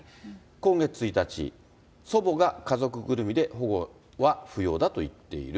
今月１日、祖母が家族ぐるみで保護は不要だと言っている。